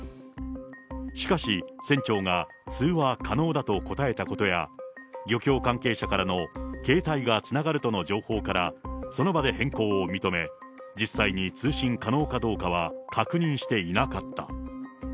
しかし、船長が通話可能だと答えたことや、漁協関係者からの、携帯がつながるとの情報から、その場で変更を認め、実際に通信可能かどうかは確認していなかった。